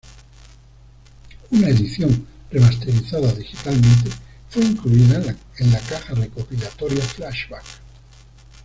Una edición remasterizada digitalmente fue incluida en la caja recopilatoria "Flashback".